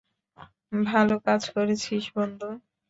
ভালো কাজ করেছিস, বন্ধু।